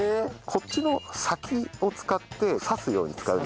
こっちの先を使って刺すように使う。